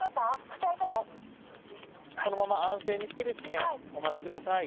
このまま安静にしてですねお待ち下さい。